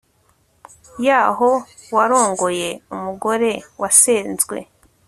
yaho, warongoye umugore wasenzwe